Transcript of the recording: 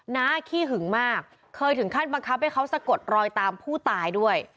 ้าขี้หึงมากเคยถึงขั้นบังคับให้เขาสะกดรอยตามผู้ตายด้วย